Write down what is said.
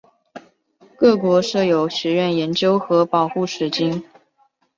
各国设有学院研究和保护水晶。